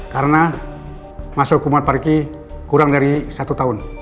karena masa hukuman pak riki kurang dari satu tahun